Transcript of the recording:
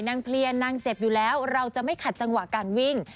เพลียนางเจ็บอยู่แล้วเราจะไม่ขัดจังหวะการวิ่ง